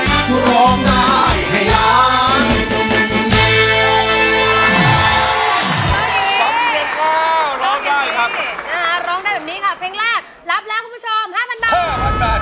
รับแล้วคุณผู้ชม๕๐๐๐บาท